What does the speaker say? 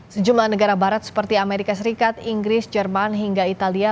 sejumlah negara barat seperti amerika serikat inggris jerman hingga italia